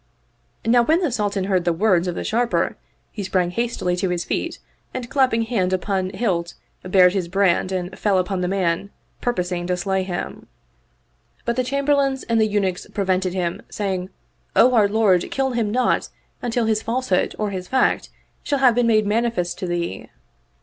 Now when the Sultan heard the words of the Sharper, he sprang hastily to his feet and clapping hand upon hilt bared his brand and fell upon the man, pur posing to slay him ; but the Chamberlains and the Eunuchs prevented him saying, " O our lord, kill him not until his falsehood or his fact shall have been made manifest to thee."